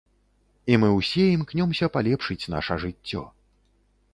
І мы ўсе імкнёмся палепшыць наша жыццё!